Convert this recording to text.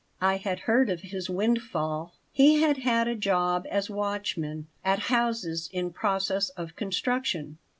I had heard of his windfall. He had had a job as watchman at houses in process of construction.